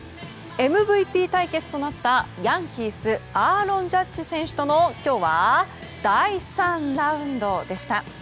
ＭＶＰ対決となったヤンキースアーロン・ジャッジ選手との今日は第３ラウンドでした。